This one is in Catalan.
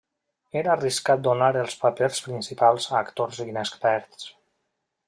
Era arriscat donar els papers principals a actors inexperts.